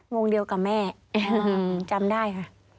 วงเดียวกับแม่จำได้ค่ะ